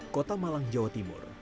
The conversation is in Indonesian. kota malang jawa timur